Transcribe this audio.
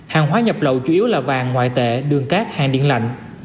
hàng hóa nhập lậu chủ yếu là vàng ngoại tệ đường cát hàng điện lạnh